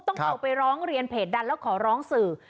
ต้องเอาไปร้องเรียนเพจดังแล้วขอร้องสื่อ